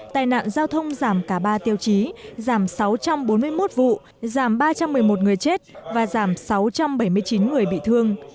tài nạn giao thông giảm cả ba tiêu chí giảm sáu trăm bốn mươi một vụ giảm ba trăm một mươi một người chết và giảm sáu trăm bảy mươi chín người bị thương